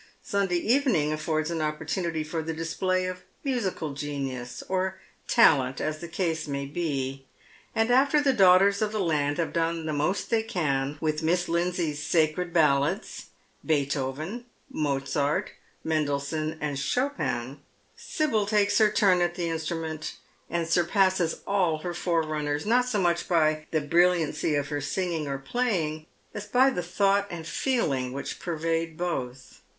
Sunday evening affords an opportunity for the display of musical genius, or talent, as the case may be ; and after the daughters of the land have done the most they can with Miss Lindsay's sacred ballads, Beethoven, Mozart, Mendelssohn, and Chopin, Sibyl takes her turn at the instrument, and surpasses all her forerunners, not so much by the brilliancy of her singing or playing as by the thought and feeling which pervade both.